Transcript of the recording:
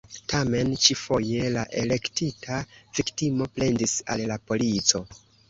Tamen, ĉi-foje, la elektita viktimo plendis al la polico.